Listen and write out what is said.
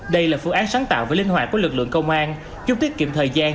đây là phương án sáng tạo với linh hoạt của lực lượng công an